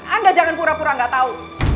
anda jangan pura pura nggak tahu